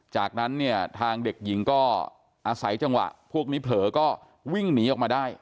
จากนั้นเนี่ยทางเด็กหญิงก็อาศัยจังหวะพวกนี้เผลอก็วิ่งหนีออกมาได้